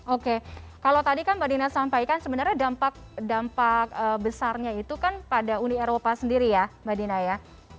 oke kalau tadi kan mbak dina sampaikan sebenarnya dampak besarnya itu kan pada uni eropa sendiri ya mbak dina ya